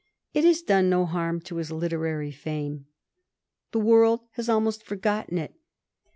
It lias done no harm to his literary fame. The world has almost forgotten it.